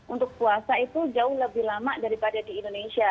untuk puasa itu jauh lebih lama daripada di indonesia